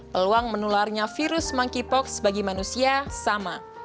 peluang menularnya virus monkeypox bagi manusia sama